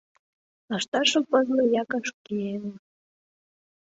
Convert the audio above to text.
Лышташым пызле я кышкен